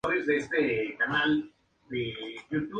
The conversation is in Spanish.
Así se interesó en Botánica y en Ambiente.